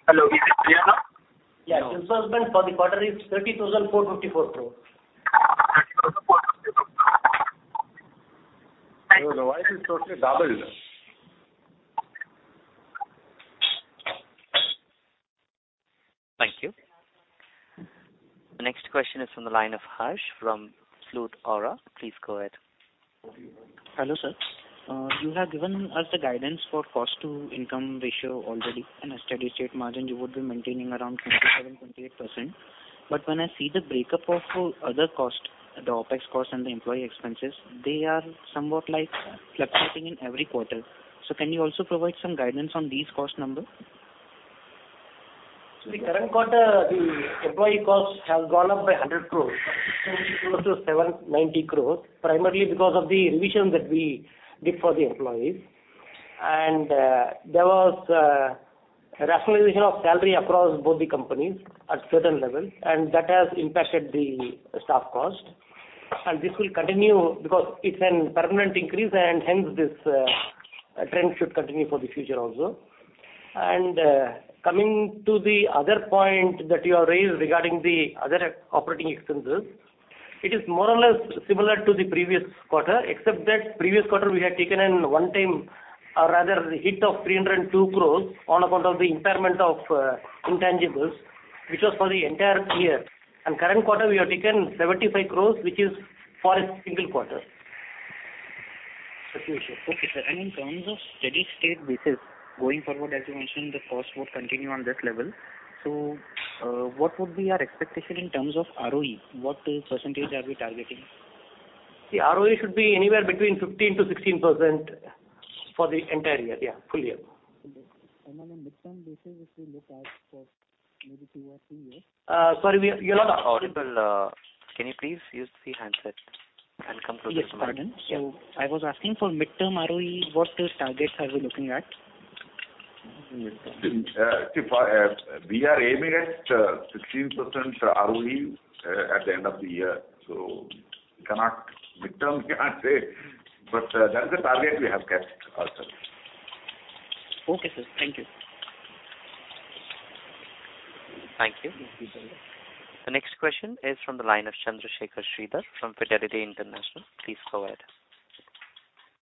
Hello, is it clear now? Yeah, disbursement for the quarter is 30,454 crore. Your voice is totally doubled. Thank you. The next question is from the line of Harsh from Flute Aura. Please go ahead. Hello, sir. You have given us the guidance for cost to income ratio already, and a steady state margin you would be maintaining around 27%-28%. When I see the breakup of other costs, the OpEx costs and the employee expenses, they are somewhat like fluctuating in every quarter. Can you also provide some guidance on these cost numbers? The current quarter, the employee costs have gone up by 100 crore, close to 790 crore, primarily because of the revision that we did for the employees. There was rationalization of salary across both the companies at certain levels, and that has impacted the staff cost. This will continue because it's a permanent increase, and hence this trend should continue for the future also. Coming to the other point that you have raised regarding the other operating expenses, it is more or less similar to the previous quarter, except that previous quarter we had taken in one-time, or rather, the hit of 302 crore on account of the impairment of intangibles, which was for the entire year. Current quarter, we have taken 75 crore, which is for a single quarter. Okay, sir. In terms of steady-state basis, going forward, as you mentioned, the costs would continue on this level. What would be our expectation in terms of ROE? What % are we targeting? The ROE should be anywhere between 15%-16% for the entire year, yeah, full year. On midterm basis, if we look at for maybe two or three years. Sorry, you're not audible. Can you please use the handset and come to the point? Yes, pardon. I was asking for midterm ROE, what targets are we looking at? See, for, we are aiming at 16% ROE at the end of the year, so cannot, midterm, cannot say, but, that's the target we have kept ourselves. Okay, sir. Thank you. Thank you. The next question is from the line of Chandrasekhar Sridhar from Fidelity International. Please go ahead.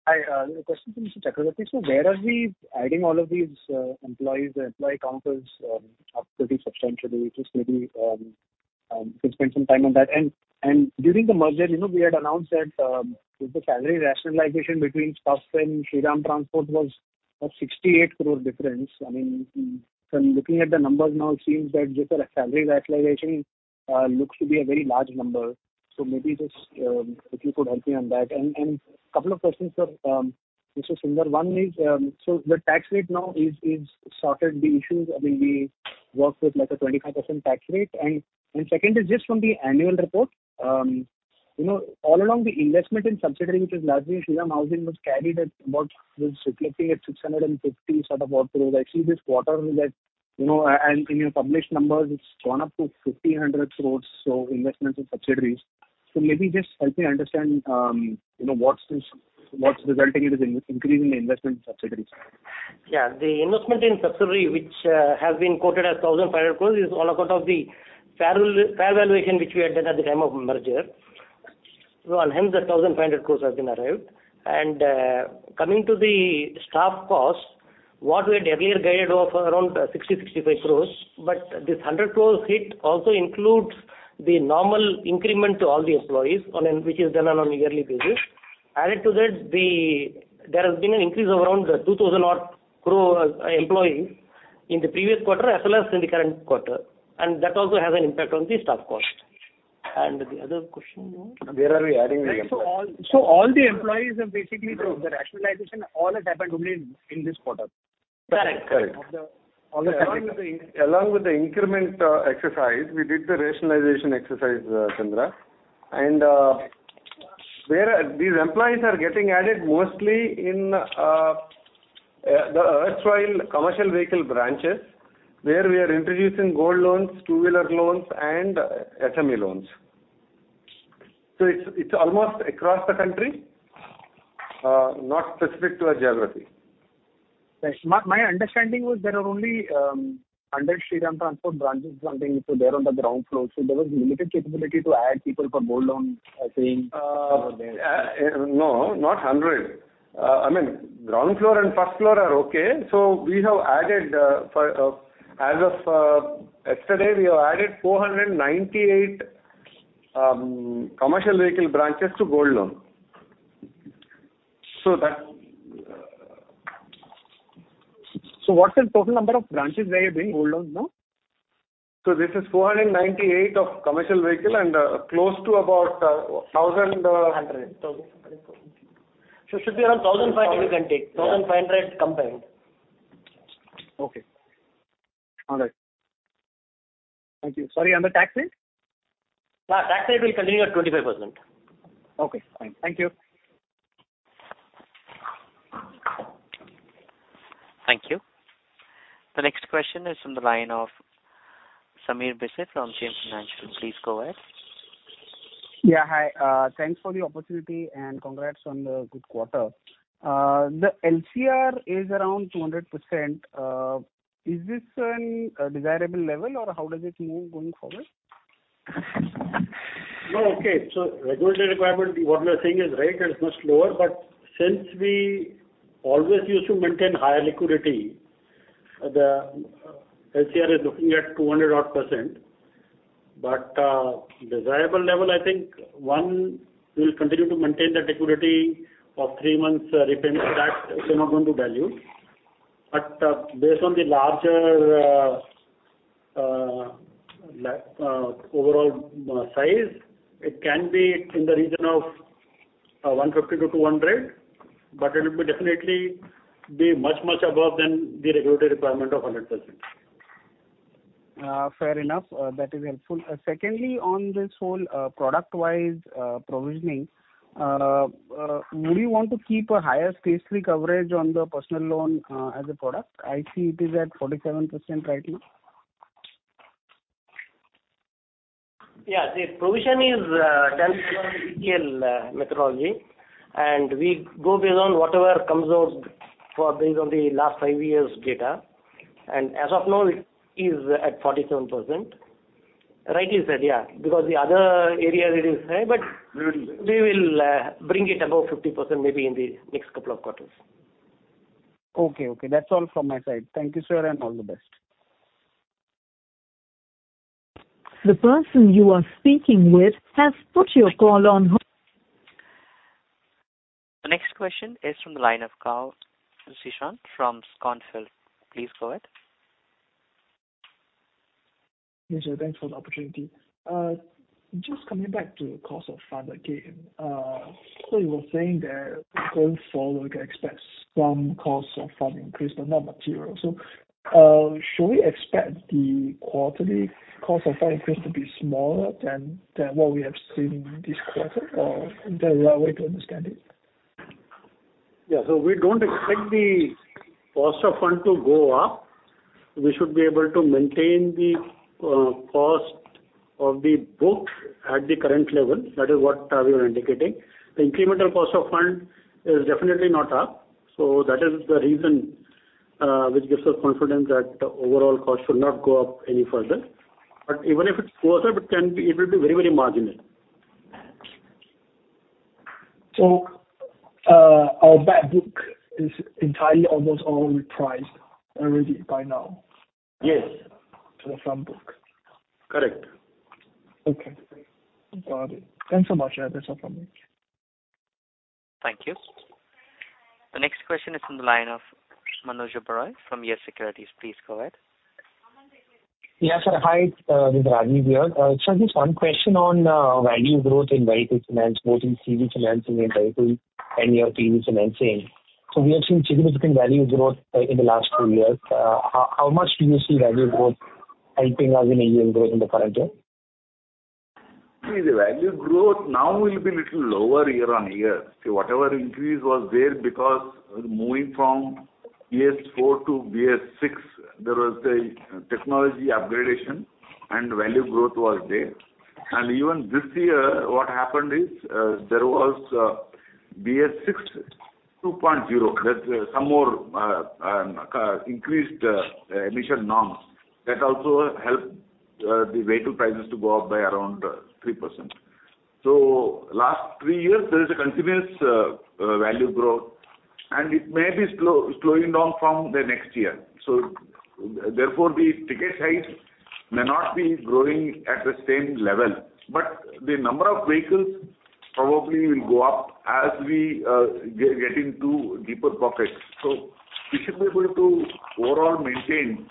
Hi, a question for Mr. Chakravarti. Where are we adding all of these employees? The employee count is up pretty substantially. Just maybe, if you spend some time on that. During the merger, you know, we had announced that with the salary rationalization between Staff and Shriram Transport was a 68 crore difference. I mean, from looking at the numbers now, it seems that just the salary rationalization looks to be a very large number. Maybe just, if you could help me on that. Couple of questions for Mr. Sunder. One is, the tax rate now is sorted the issues. I mean, we worked with, like, a 25% tax rate. Second is just from the annual report. You know, all along, the investment in subsidiary, which is largely Shriram Housing, was reflecting at 650 crore. I see this quarter that, you know, and in your published numbers, it's gone up to 1,500 crore, so investment in subsidiaries. Maybe just help me understand, you know, what's resulting in this increase in the investment in subsidiaries? The investment in subsidiary, which has been quoted as 1,500 crores, is on account of the fair valuation which we had done at the time of merger. Hence, the 1,500 crores has been arrived. Coming to the staff cost, what we had earlier guided of around 60-65 crores, but this 100 crores hit also includes the normal increment to all the employees on an which is done on a yearly basis. Added to that, there has been an increase of around 2,000 odd crore employees in the previous quarter as well as in the current quarter, that also has an impact on the staff cost. The other question now? Where are we adding the employees? All the employees are basically, the rationalization, all has happened only in this quarter? Correct. Correct. All the- Along with the increment exercise, we did the rationalization exercise, Chandra. Where these employees are getting added mostly in the erstwhile commercial vehicle branches, where we are introducing gold loans, two-wheeler loans, and SME loans. It's almost across the country, not specific to a geography. Thanks. My understanding was there are only 100 Shriram Transport branches something, so they're on the ground floor, so there was limited capability to add people for gold loans, I think, over there. No, not 100. I mean, ground floor and first floor are okay. We have added, for, as of yesterday, we have added 498 commercial vehicle branches to gold loan. what's the total number of branches where you're doing gold loans now? This is 498 of commercial vehicle and, close to about, 1,000. 100. 1,000 100. So it should be around 1,580. Yes. 1,500 combined. Okay. All right. Thank you. Sorry, on the tax rate? tax rate will continue at 25%. Okay, fine. Thank you. Thank you. The next question is from the line of Sameer Bhise from JM Financial. Please go ahead. Yeah, hi. Thanks for the opportunity, and congrats on the good quarter. The LCR is around 200%. Is this a desirable level, or how does it move going forward? Okay. Regulatory requirement, what we are saying is right, it is much lower, but since we always used to maintain higher liquidity, the LCR is looking at 200 odd %. Desirable level, I think, one, we will continue to maintain that liquidity of three months' repayment. That we're not going to value. Based on the larger, like, overall, size, it can be in the region of 150-200, but it will be definitely be much above than the regulatory requirement of 100%. Fair enough. That is helpful. Secondly, on this whole, product-wise, provisioning, do you want to keep a higher statutory coverage on the personal loan as a product? I see it is at 47% rightly. Yeah, the provision is done around ECL methodology, and we go based on whatever comes out based on the last five years' data. As of now, it is at 47%. Rightly said, yeah, because the other areas it is high. We will- We will bring it above 50% maybe in the next couple of quarters. Okay. That's all from my side. Thank you, sir, and all the best. The person you are speaking with has put your call on. The next question is from the line of Kunal Shah from Citigroup. Please go ahead. Yes, sir, thanks for the opportunity. Just coming back to the cost of fund again, so you were saying that going forward, we can expect some cost of fund increase, but not material. Should we expect the quarterly cost of fund increase to be smaller than what we have seen this quarter, or is there a right way to understand it? Yeah, we don't expect the cost of fund to go up. We should be able to maintain the cost of the book at the current level. That is what we are indicating. The incremental cost of fund is definitely not up, that is the reason which gives us confidence that the overall cost should not go up any further. Even if it goes up, it can be, it will be very, very marginal. Our back book is entirely, almost all repriced already by now? Yes. To the front book. Correct. Okay, got it. Thanks so much. That's all from me. Thank you. The next question is from the line of Manoj Baheti from YES Securities. Please go ahead. Yes, sir. Hi, this is Rajiv here. Just one question on value growth in vehicle finance, both in CV financing and vehicle and your 2W financing. We have seen significant value growth in the last two years. How, how much do you see value growth helping us in a year growth in the current year? The value growth now will be little lower year-on-year. Whatever increase was there, because moving from BS4 to BS6, there was a technology upgradation and value growth was there. Even this year, what happened is, there was BS6 Phase II. That's some more increased emission norms. That also helped the vehicle prices to go up by around 3%. Last three years, there is a continuous value growth, and it may be slowing down from the next year. Therefore, the ticket size may not be growing at the same level, but the number of vehicles probably will go up as we get into deeper pockets. We should be able to overall maintain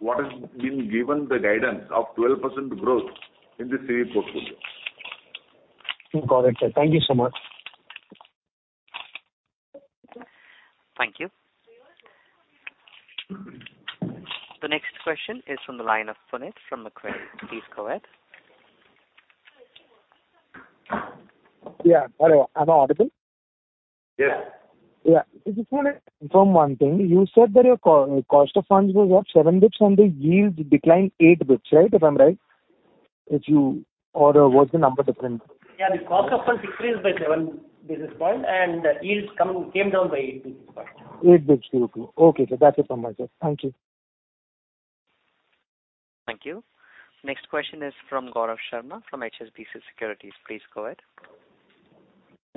what has been given the guidance of 12% growth in the CV portfolio. Got it, sir. Thank you so much. Thank you. The next question is from the line of Punit from Macquarie. Please go ahead. Yeah. Hello, am I audible? Yes. Yeah. I just wanted to confirm one thing. You said that your cost of funds was up 7 basis points and the yields declined 8 basis points, right? If I'm right. Or was the number different? Yeah, the cost of funds increased by 7 basis point, and yields came down by 8 basis point. 8 basis points, Okay. Okay, sir. That is it from my side. Thank you. Thank you. Next question is from Gaurav Sharma, from HSBC Securities. Please go ahead.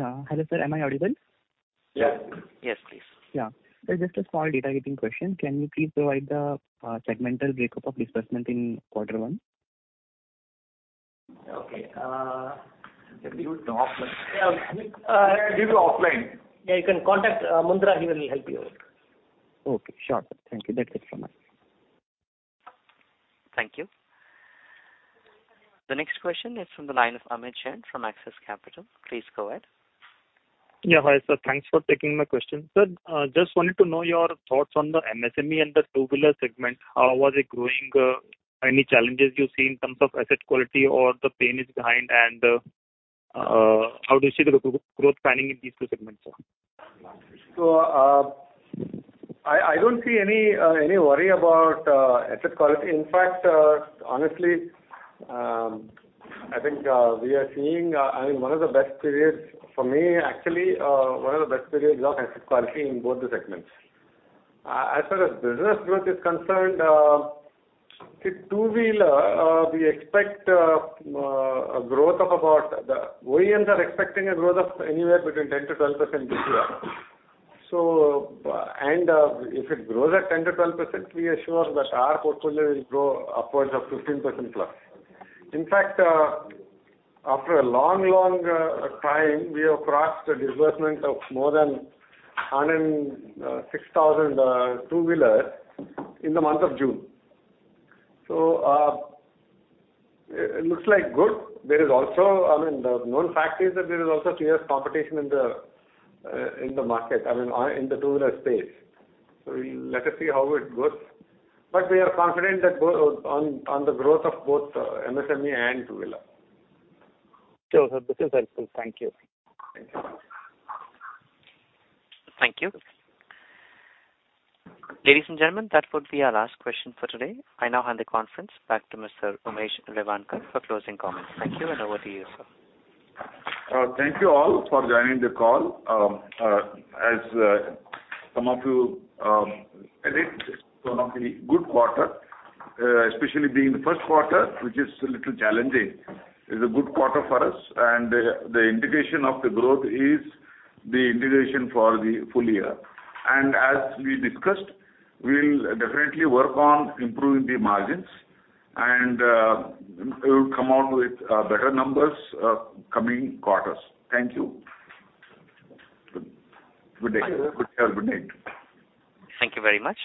Hello, sir, am I audible? Yeah. Yes, please. Yeah. Just a small data-getting question. Can you please provide the segmental breakup of disbursement in quarter one? Okay. Let me give it to offline. Yeah, I'll give you offline. Yeah, you can contact Mundra; he will help you out. Okay, sure. Thank you. That's it from us. Thank you. The next question is from the line of Amit Jain from Axis Capital. Please go ahead. Yeah. Hi, sir. Thanks for taking my question. Sir, just wanted to know your thoughts on the MSME and the two-wheeler segment. Was it growing? Any challenges you see in terms of asset quality or the pain is behind? How do you see the growth planning in these two segments, sir? I don't see any worry about asset quality. In fact, honestly, I think we are seeing, I mean, one of the best periods for me, actually, one of the best periods of asset quality in both the segments. As far as business growth is concerned, in two-wheeler, we expect a growth of about. The OEMs are expecting a growth of anywhere between 10%-12% this year. And if it grows at 10%-12%, we are sure that our portfolio will grow upwards of 15%+. In fact, after a long, long time, we have crossed a disbursement of more than 106,000 two-wheeler in the month of June. It looks like good. There is also...I mean, the known fact is that there is also serious competition in the market, I mean, in the two-wheeler space. Let us see how it goes. We are confident that on the growth of both MSME and two-wheeler. Sure, sir, this is helpful. Thank you. Thank you. Thank you. Ladies and gentlemen, that would be our last question for today. I now hand the conference back to Mr. Umesh Revankar for closing comments. Thank you. Over to you, sir. Thank you all for joining the call. As some of you said, it's one of the good quarter, especially being the first quarter, which is a little challenging. It's a good quarter for us. The indication of the growth is the indication for the full year. As we discussed, we'll definitely work on improving the margins, and we will come out with better numbers coming quarters. Thank you. Good day, good health, good night. Thank you very much.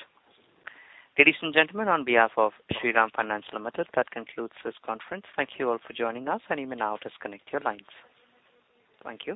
Ladies and gentlemen, on behalf of Shriram Finance Limited, that concludes this conference. Thank you all for joining us, and you may now disconnect your lines. Thank you.